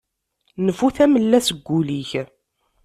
Nfu tamella seg ul-ik!